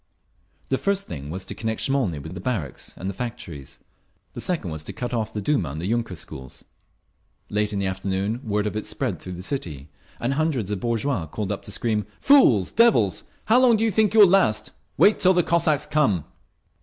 The first thing was to connect Smolny with the barracks and the factories; the second, to cut off the Duma and the yunker schools…. Late in the afternoon word of it spread through the city, and hundreds of bourgeois called up to scream, "Fools! Devils! How long do you think you will last? Wait till the Cossacks come!"